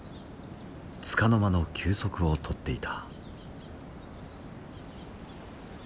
つかの間の休息を取っていた。